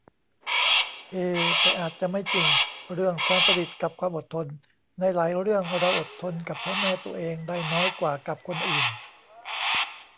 เอ แต่อาจจะไม่จริง เรื่องความสนิทกับความอดทน ในหลายเรื่องเราอดทนกับพ่อแม่ตัวเองได้น้อยกว่ากับคนอื่น